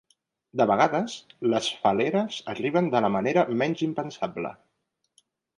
De vegades, les fal·leres arriben de la manera menys impensable.